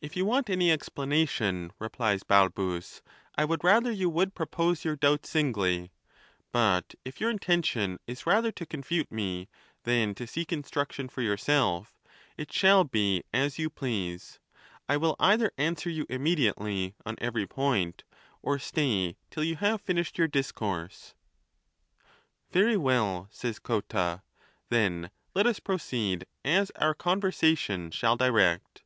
If you want any expla nation, replies Balbus, I would rather you would propose your doubts singly ; but if your intention is rather to con fute me than to seek instruction for yourself, it shall be as you please; I will either answer you immediately on every point, or stay till you have finished your discourse. II. Very well, says Cotta; then let us proceed as our conversation shall direct.